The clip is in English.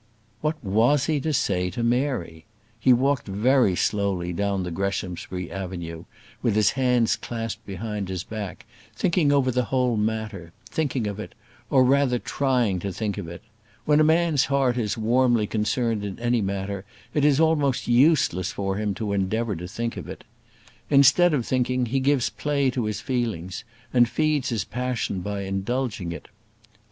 What was he to say to Mary? He walked very slowly down the Greshamsbury avenue, with his hands clasped behind his back, thinking over the whole matter; thinking of it, or rather trying to think of it. When a man's heart is warmly concerned in any matter, it is almost useless for him to endeavour to think of it. Instead of thinking, he gives play to his feelings, and feeds his passion by indulging it.